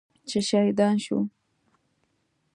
چې شهیدان شو.